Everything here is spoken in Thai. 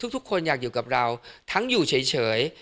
ทุกคนอยากอยู่กับเราทั้งอยู่เฉย